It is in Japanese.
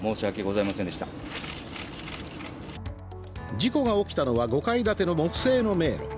事故が起きたのは５階建ての木製の迷路。